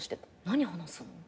何話すの？